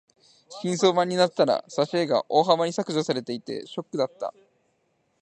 新装版になったら挿絵が大幅に削除されていてショックだった。